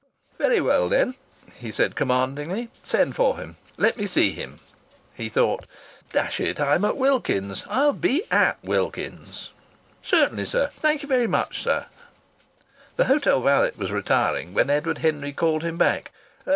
"Very well, then!" he said commandingly. "Send for him. Let me see him." He thought: "Dash it! I'm at Wilkins's I'll be at Wilkins's!" "Certainly, sir! Thank you very much, sir." The hotel valet was retiring when Edward Henry called him back.